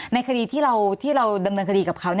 ในคดีที่เราดำเนินคดีกับเขา